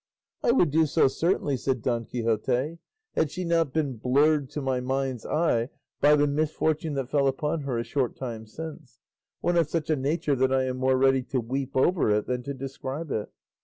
"I would do so certainly," said Don Quixote, "had she not been blurred to my mind's eye by the misfortune that fell upon her a short time since, one of such a nature that I am more ready to weep over it than to describe it.